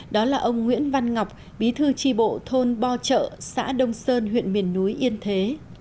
đó là ông nguyễn văn ngọc bí thư tri bộ thôn bo trợ xã đông sơn huyện miền núi yên thế